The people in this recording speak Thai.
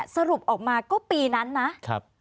สรุปออกมาก็ปีนั้นนะ